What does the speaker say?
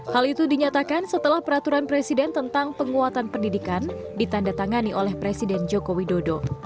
hal itu dinyatakan setelah peraturan presiden tentang penguatan pendidikan ditanda tangani oleh presiden joko widodo